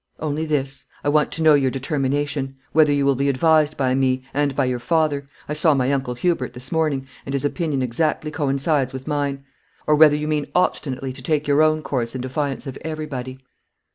"Only this: I want to know your determination; whether you will be advised by me and by your father, I saw my uncle Hubert this morning, and his opinion exactly coincides with mine, or whether you mean obstinately to take your own course in defiance of everybody?"